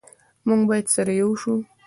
موږ باید سره ېو شو